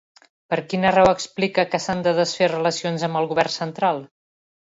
Per quina raó explica que s'han de desfer relacions amb el govern central?